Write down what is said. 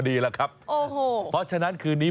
อีกร้อยห้าสิบปี